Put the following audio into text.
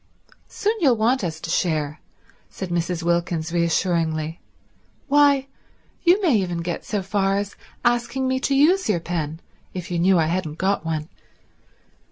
"Soon you'll want us to share," said Mrs. Wilkins reassuringly. "Why, you may even get so far as asking me to use your pen if you knew I hadn't got one."